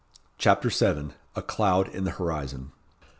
CHAPTER VII. A Cloud in the Horizon.